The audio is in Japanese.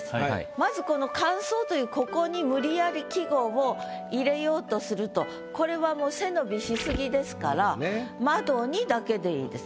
まずこの「寒窓」というここに無理やり季語を入れようとするとこれはもう背伸びし過ぎですから「窓に」だけでいいです。